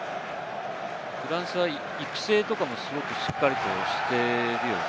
フランスは育成もしっかりとしているよね。